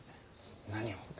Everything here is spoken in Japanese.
何を？